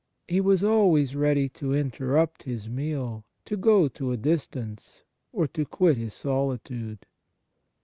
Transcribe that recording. He was always ready to interrupt His meal, to go to a distance, or to quit His solitude.